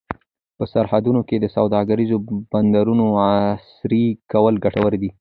په سرحدونو کې د سوداګریزو بندرونو عصري کول ګټور دي.